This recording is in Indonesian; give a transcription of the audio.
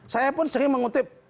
saya pun sering mengutip